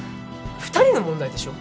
２人の問題でしょ。